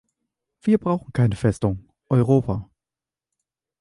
Wir brauchen keine Festung Europa.